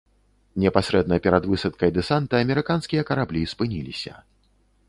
Непасрэдна перад высадкай дэсанта амерыканскія караблі спыніліся.